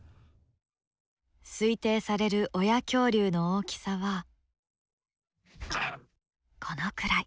推定される親恐竜の大きさはこのくらい。